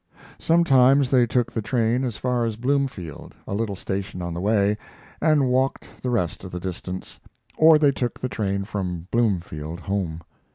Sometimes they took the train as far as Bloomfield, a little station on the way, and walked the rest of the distance, or they took the train from Bloomfield home.